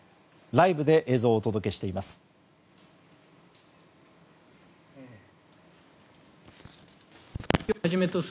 ライブで映像をお届けしています。